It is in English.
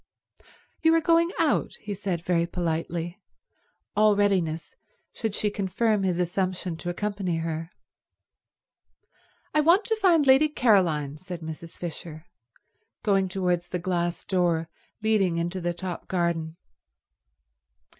"You are going out," he said very politely, all readiness should she confirm his assumption to accompany her. "I want to find Lady Caroline," said Mrs. Fisher, going towards the glass door leading into the top garden.